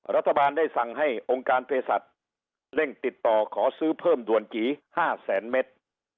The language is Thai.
รัฐบาลได้สั่งให้องค์การเพศสัตว์เร่งติดต่อขอซื้อเพิ่มด่วนกี่๕แสนเมตร